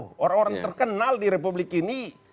tidak jauh dari nasional di republik ini